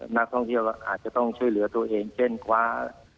นักท่องเที่ยวอาจจะต้องช่วยเหลือตัวเองเช่นคว้า